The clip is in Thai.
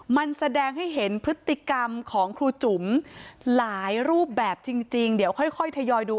มันแสดงให้เห็นพฤติกรรมของครูจุ๋มหลายรูปแบบจริงเดี๋ยวค่อยทยอยดู